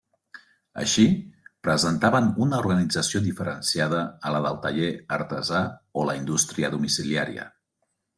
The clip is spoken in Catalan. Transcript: Així, presentaven una organització diferenciada a la del taller artesà o la indústria domiciliària.